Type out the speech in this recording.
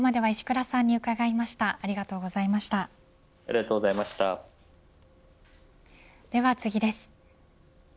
では次です。